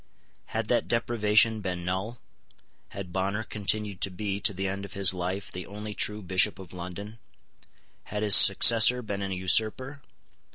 Had that deprivation been null? Had Bonner continued to be, to the end of his life, the only true Bishop of London? Had his successor been an usurper?